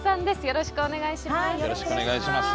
よろしくお願いします。